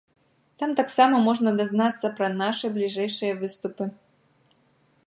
Там таксама можна дазнацца пра нашы бліжэйшыя выступы.